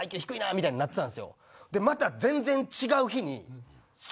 みたいになってたんすよ。